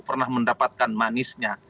pernah mendapatkan manisnya